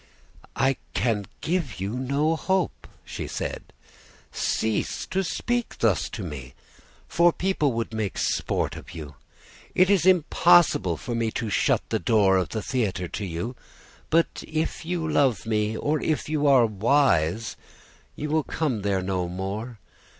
"'I can give you no hope,' she said. 'Cease to speak thus to me, for people would make sport of you. It is impossible for me to shut the door of the theatre to you; but if you love me, or if you are wise, you will come there no more.